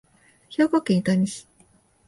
兵庫県伊丹市